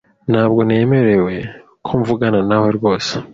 Ntabwo nemera ko mvugana nawe rwose.